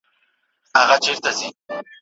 مشر په خپله د صنعت د پرمختګ څارنه کوله.